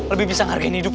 lebih bisa ngargain hidup